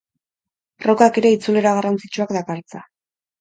Rockak ere itzulera garrantzitsuak dakartza.